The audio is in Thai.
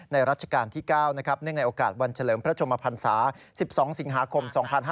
รัชกาลที่๙เนื่องในโอกาสวันเฉลิมพระชมพันศา๑๒สิงหาคม๒๕๕๙